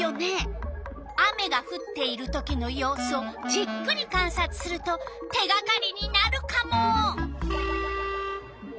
雨がふっているときのようすをじっくりかんさつすると手がかりになるカモ！